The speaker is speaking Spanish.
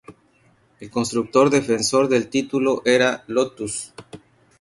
El constructor defensor del título era Lotus.